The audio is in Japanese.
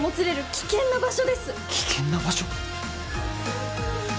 危険な場所？